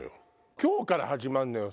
今日から始まるのよ